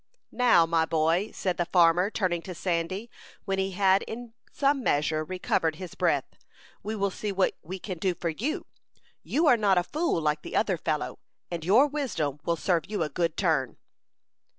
"Now, my boy," said the farmer, turning to Sandy, when he had in some measure recovered his breath, "we will see what we can do for you. You are not a fool like the other fellow, and your wisdom will serve you a good turn."